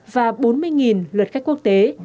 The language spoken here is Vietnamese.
và bốn mươi lượt khách quốc tế